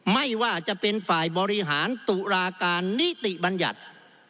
ไม่ว่าจะเป็นฝ่ายบริหารตุลาการนิติบัญญัติ